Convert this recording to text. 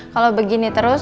kalau begini terus